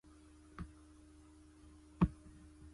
這張好笑的圖片